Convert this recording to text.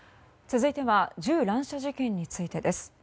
続いては銃乱射事件についてです。